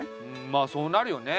まあそうなるよね。